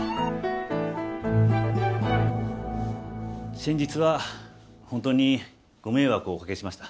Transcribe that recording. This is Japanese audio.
先日は本当にご迷惑をおかけしました。